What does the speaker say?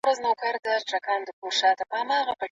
سړی په خپلو سپینو جامو کې ډېر زیات بې رحمه و.